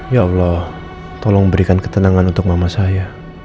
ya allah tolong berikan ketenangan untuk mama saya